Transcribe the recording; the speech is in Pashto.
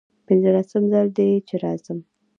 پنځلسم ځل دی چې راځم.